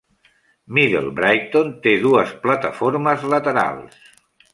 Middle Brighton té dues plataformes laterals.